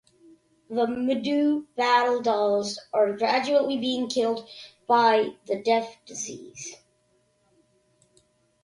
The Mibu Battle Dolls are gradually being killed by the "Death Disease".